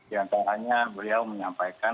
jangan terlalu banyaknya beliau menyampaikan